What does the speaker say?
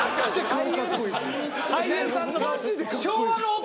俳優さんの顔。